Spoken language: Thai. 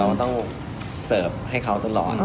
เราต้องเซิฟให้เขาตลอด